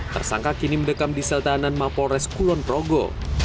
tersangka kini mendekam di seltaanan mapores kulonprogo